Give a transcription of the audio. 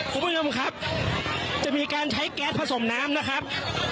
คุณผู้ชมครับจะมีการใช้แก๊สผสมน้ำนะครับ